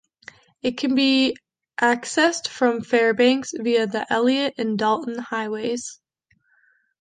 It can be accessed from Fairbanks via the Elliott and Dalton highways.